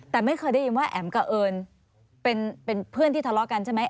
แต่ไม่เคยได้ยินว่าแอ๋มกับเอิญเป็นเพื่อนที่ทะเลาะกันใช่ไหม